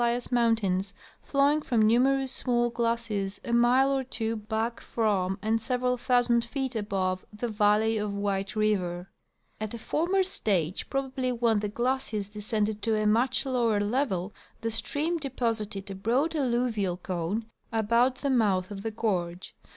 face of the St Elias mountains, flowing from numerous small glaciers a mile or two back from and several thousand feet above the valley of White river. At a former stage, probably when the glaciers descended to a much lower level, the stream deposited a broad alluvial cone about the mouth of the gorge.